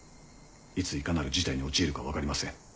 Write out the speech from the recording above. いついかなる事態に陥るか分かりません。